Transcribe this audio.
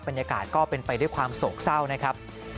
บรรยากาศก็เป็นไปด้วยความโศกเศร้านะครับ